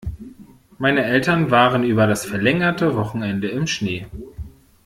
Meine Eltern waren über das verlängerte Wochenende im Schnee.